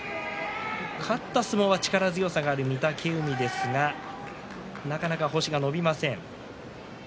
勝った相撲には力強さがある御嶽海ですが星が伸びません。